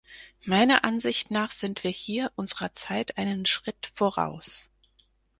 Meiner Ansicht nach sind wir hier unserer Zeit einen Schritt voraus.